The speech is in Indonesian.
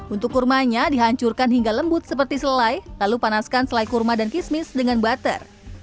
untuk kurmanya dihancurkan hingga lembut seperti selai lalu panaskan selai kurma dan kismis dengan butter